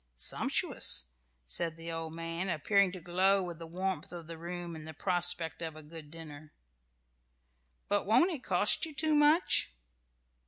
"Sumptuous!" said the old man, appearing to glow with the warmth of the room and the prospect of a good dinner. "But won't it cost you too much?"